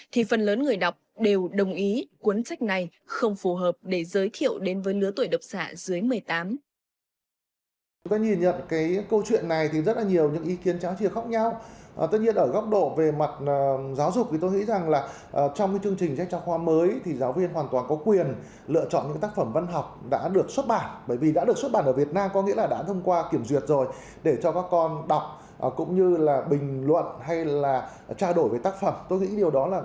thì phần lớn người đọc đều đồng ý cuốn sách này không phù hợp để giới thiệu đến với lứa tuổi độc giả dưới một mươi tám